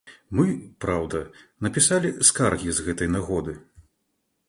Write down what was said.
Мы, праўда, напісалі скаргі з гэтай нагоды.